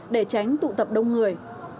để tránh tụ tập đông người